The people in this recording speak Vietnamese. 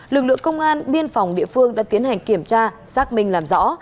lực lượng công an biên phòng địa phương đã tiến hành kiểm tra xác minh làm rõ